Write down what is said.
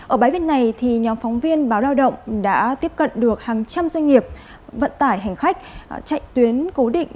ở bài viết này nhóm phóng viên báo lao động đã tiếp cận được hàng trăm doanh nghiệp vận tải hành khách chạy tuyến cố định